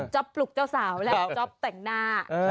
ปลุกเจ้าสาวและจ๊อปแต่งหน้า